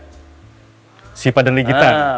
sipadan nalikitan pulau yang lepas dari indonesia